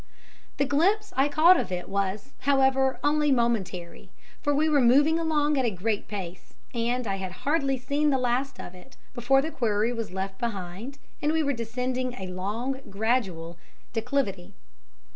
The glimpse I caught of it was, however, only momentary, for we were moving along at a great pace, and I had hardly seen the last of it before the quarry was left behind and we were descending a long and gradual declivity.